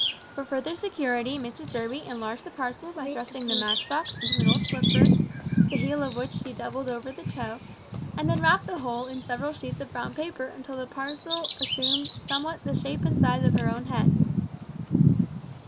For further security Mrs Durby enlarged the parcel by thrusting the match box into an old slipper, the heel of which she doubled over the toe, and then wrapped the whole in several sheets of brown paper until the parcel assumed somewhat the shape and size of her own head.